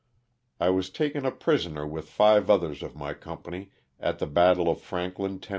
I was taken a prisoner with five others of my com pany at the battle of Franklin, Tenn.